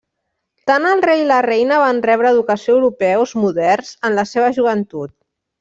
Tant el rei i la reina van rebre educació europeus moderns en la seva joventut.